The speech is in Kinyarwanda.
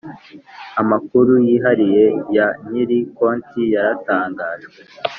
amakuru yihariye ya nyiri konti yaratangajwe